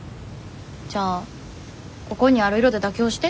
じゃあここにある色で妥協して。